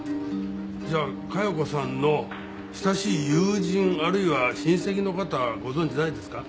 じゃあ加代子さんの親しい友人あるいは親戚の方ご存じないですか？